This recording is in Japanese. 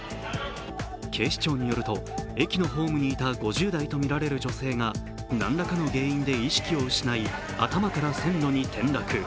警視庁によると、駅のホームにいた５０代とみられる女性が何らかの原因で意識を失い頭から線路に転落。